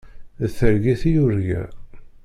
D targit i yurga.